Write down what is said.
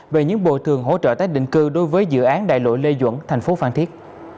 về những bộ thường hỗ trợ tái định cư đối với dự án đại lộ lê duẩn thành phố phan thiết